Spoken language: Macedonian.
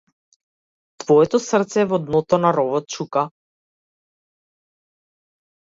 Твоето срце во дното на ровот чука.